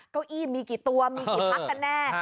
เก้าอี้มีกี่ตัวมีกี่พักกันแน่